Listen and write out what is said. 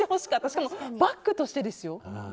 しかも、バッグとしてですよ。